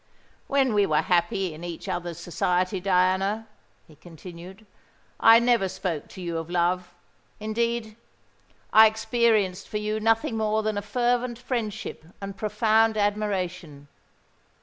"When we were happy in each other's society, Diana," he continued, "I never spoke to you of love: indeed, I experienced for you nothing more than a fervent friendship and profound admiration.